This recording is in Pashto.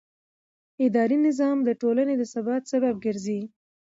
اداري نظام د ټولنې د ثبات سبب ګرځي.